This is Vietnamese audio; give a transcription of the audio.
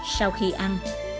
sau khi ăn